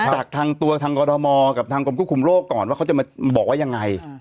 จากทางตัวทางกรทมกับทางกรมควบคุมโรคก่อนว่าเขาจะมาบอกว่ายังไง